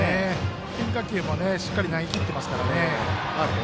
変化球もしっかり投げ切ってますからね。